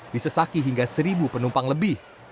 disesaki hingga seribu penumpang lebih